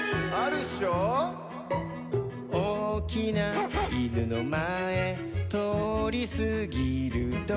「おおきないぬのまえとおりすぎるとき」